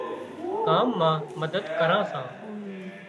ڪام مان مدد ڪران سان